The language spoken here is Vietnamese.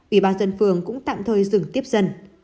ủy ban dân phường cũng tạm thời dừng tiếp dân